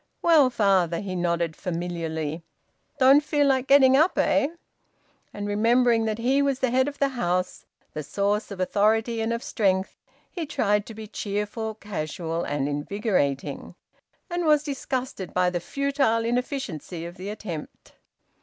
"Well, father," he nodded familiarly. "Don't feel like getting up, eh?" And, remembering that he was the head of the house, the source of authority and of strength, he tried to be cheerful, casual, and invigorating, and was disgusted by the futile inefficiency of the attempt.